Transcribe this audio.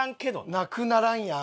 なくならんやん。